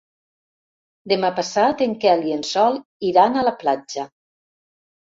Demà passat en Quel i en Sol iran a la platja.